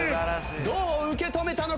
どう受け止めたのか？